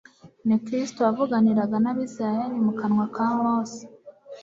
Ni Kristo wavuganiraga n'Abisirayeli mu kanwa ka Mose.